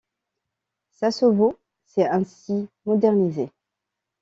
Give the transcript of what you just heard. Sassovo s'est ainsi modernisée.